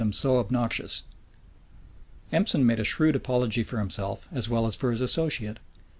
Empson made a shrewd apology for himself, as well as for his associate.